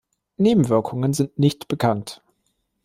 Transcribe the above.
Nebenwirkungen sind nicht bekannt.